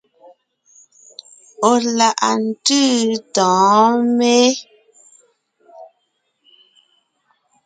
Ɔ̀ láʼ ntʉ̀ntʉ́ tɔ̌ɔn mé?